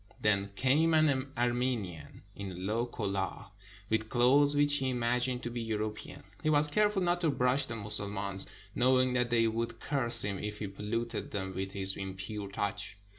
Then came an Armenian in a low kolah, with clothes which he imagined to be European. He was careful not to brush the Mussulmans, knowing that they would curse him if he polluted them with his impure touch.